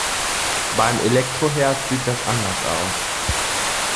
Beim Elektroherd sieht das anders aus.